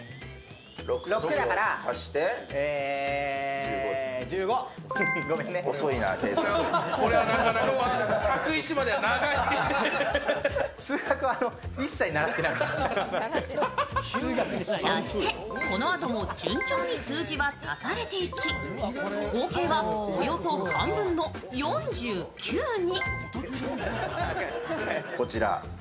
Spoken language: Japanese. ６だからえー、１５．そして、このあとも順調に数字は足されていき合計は、およそ半分の４９に。